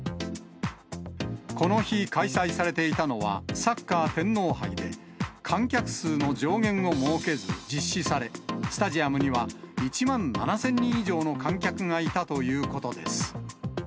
この日、開催されていたのは、サッカー天皇杯で、観客数の上限を設けず実施され、スタジアムには１万７０００人以上の観客がいたということです。